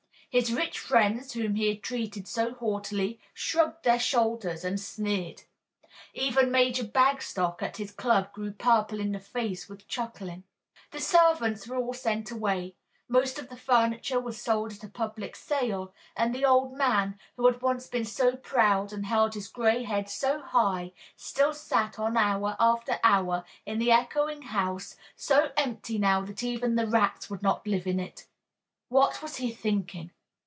His rich friends, whom he had treated so haughtily, shrugged their shoulders and sneered. Even Major Bagstock at his club grew purple in the face with chuckling. The servants were all sent away, most of the furniture was sold at a public sale, and the old man, who had once been so proud and held his gray head so high, still sat on hour after hour in the echoing house, so empty now that even the rats would not live in it. What was he thinking?